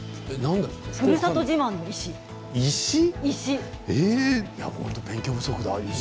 ふるさと自慢の石です。